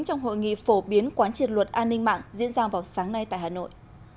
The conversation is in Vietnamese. trong hội nghị phổ biến quán triệt luật an ninh mạng diễn ra vào sáng nay tại hà nội